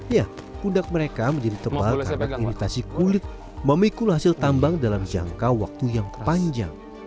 ya pundak mereka menjadi tebal karena imitasi kulit memikul hasil tambang dalam jangka waktu yang panjang